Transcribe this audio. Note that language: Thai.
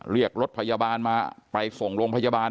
เรียกรถพยาบาลมาไปส่งโรงพยาบาล